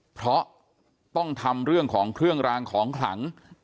เพราะต้องทำเรื่องของเครื่องรางของขลัง